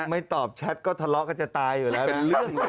ไม่ตอบแชทก็ทะเลาะกันจะตายอยู่แล้วนะ